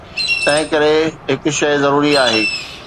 تنهنڪري هڪ شيء ضروري آهي.